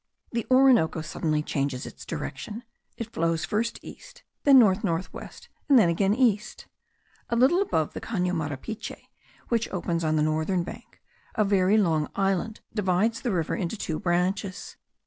The Orinoco suddenly changes its direction; it flows first east, then north north west, and then again east. A little above the Cano Marapiche, which opens on the northern bank, a very long island divides the river into two branches.